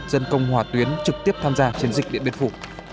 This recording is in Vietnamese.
dân công hỏa tuyến trực tiếp tham gia chiến dịch điện biên phủ